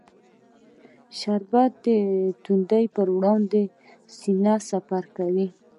شربت د تندې پر وړاندې سینه سپر کوي